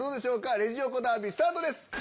レジ横ダービー、スタートです。